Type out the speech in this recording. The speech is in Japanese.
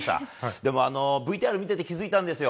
でも、ＶＴＲ見てて気づいたんですよ。